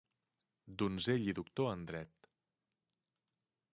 Donzell i Doctor en dret.